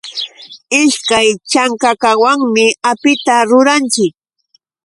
Ishkay chankakawanmi apita ruranchik.